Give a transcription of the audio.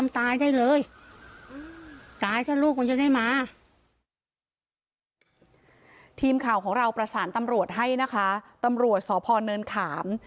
ทีมข่าวของเราประสานตำรวจให้นะคะตำรวจสพเนินขาม